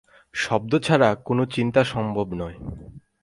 শব্দ ছাড়া কোন চিন্তা সম্ভব নয়।